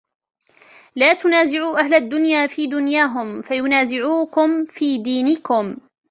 لَا تُنَازِعُوا أَهْلَ الدُّنْيَا فِي دُنْيَاهُمْ فَيُنَازِعُوكُمْ فِي دِينِكُمْ